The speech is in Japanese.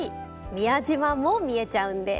宮島も見えちゃうんです。